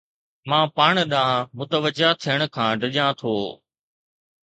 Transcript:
مان پاڻ ڏانهن متوجه ٿيڻ کان ڊڄان ٿو